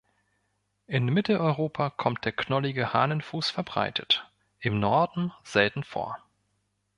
In Mitteleuropa kommt der Knollige Hahnenfuß verbreitet, im Norden selten vor.